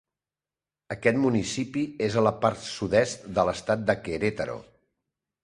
Aquest municipi és a la part sud-est de l'estat de Querétaro.